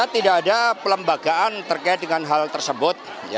tidak ada pelembagaan terkait dengan hal tersebut